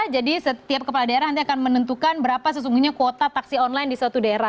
jadi setiap kepala daerah nanti akan menentukan berapa sesungguhnya kuota taksi online di suatu daerah